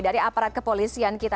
dari aparat kepolisian kita